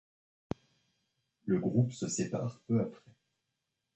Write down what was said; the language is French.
Le groupe se sépare peu après.